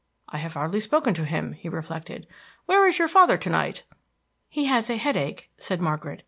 "I have hardly spoken to him," he reflected. "Where is your father, to night?" "He has a headache," said Margaret.